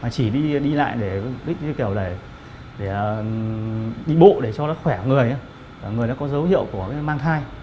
chỉ đi lại để đi bộ để cho nó khỏe người người có dấu hiệu của mang thai